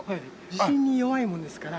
地震に弱いもんですから。